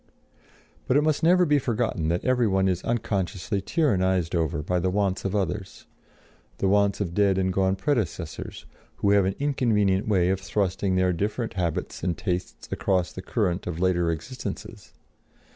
But it must never be forgotten that every one is unconsciously tyrannized over by the wants of others, the wants of dead and gone predecessors, who have an inconvenient way of thrusting their different habits and tastes across the current of later existences.